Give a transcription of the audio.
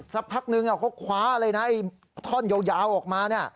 สักพักหนึ่งเขาคว้าไอ้ท่อนยาวออกมา